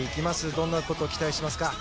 どんなことを期待しますか？